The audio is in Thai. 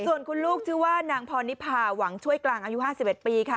ส่วนคุณลูกชื่อว่านางพรนิพาหวังช่วยกลางอายุ๕๑ปีค่ะ